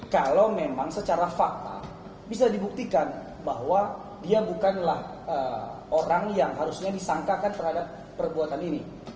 kalau memang secara fakta bisa dibuktikan bahwa dia bukanlah orang yang harusnya disangkakan terhadap perbuatan ini